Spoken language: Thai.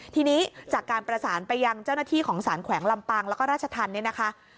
ทีนี้จากการประสานไปยังเจ้าหน้าที่ของสารแขวงลำปางแล้วก็ราชธรรมเนี่ยนะคะ